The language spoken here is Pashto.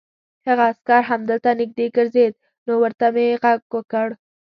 هغه عسکر همدلته نږدې ګرځېد، نو ورته مې غږ وکړ.